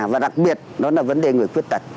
và đặc biệt đó là vấn đề người khuyết tật